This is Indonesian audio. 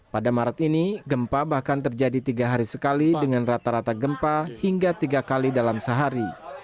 pada maret ini gempa bahkan terjadi tiga hari sekali dengan rata rata gempa hingga tiga kali dalam sehari